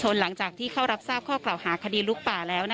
แล้วนะคะไปฟังพร้อมกันเลยค่ะลุงพลภาพเบื้องต้นเจ้าหน้าที่ได้แจ้ง